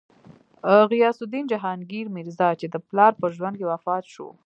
غیاث الدین جهانګیر میرزا، چې د پلار په ژوند کې وفات شو.